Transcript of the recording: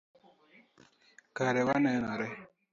Kare wanenore